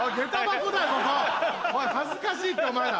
おい恥ずかしいってお前ら。